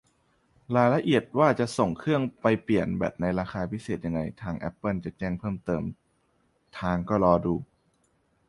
รายละเอียดว่าจะส่งเครื่องไปเปลี่ยนแบตในราคาพิเศษยังไง ทางแอปเปิลจะแจ้งเพิ่มเติมทาง ก็รอดู